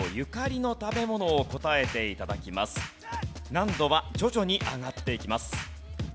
難度は徐々に上がっていきます。